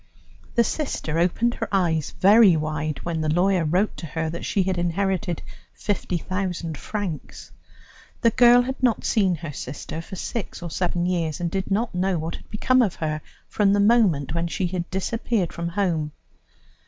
The sister opened her eyes very wide when the lawyer wrote to her that she had inherited 50,000 francs. The girl had not seen her sister for six or seven years, and did not know what had become of her from the moment when she had disappeared from home.